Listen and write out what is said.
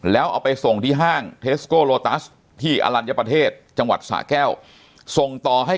แล้วเอาไปส่งที่ห้างเทสโกโลตัสที่อลัญญประเทศจังหวัดสะแก้วส่งต่อให้